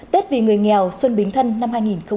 tết vì người nghèo xuân bính thân năm hai nghìn một mươi sáu